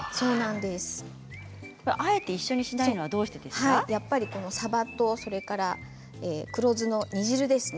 あえて一緒にしないのはさばと黒酢の煮汁ですね。